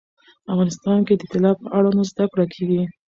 افغانستان کې د طلا په اړه زده کړه کېږي.